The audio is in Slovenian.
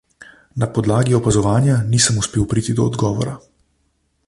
Na podlagi opazovanja nisem uspel priti do odgovora.